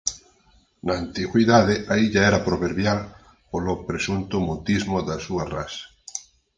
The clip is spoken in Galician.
Na antigüidade a illa era proverbial polo presunto mutismo das súas ras.